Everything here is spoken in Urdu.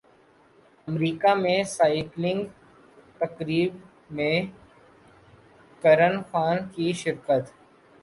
امریکہ میں سائیکلنگ تقریب میں کرن خان کی شرکت